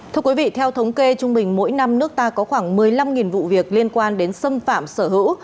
thưa quý vị theo thống kê trung bình mỗi năm nước ta có khoảng một mươi năm vụ việc liên quan đến xâm phạm sở hữu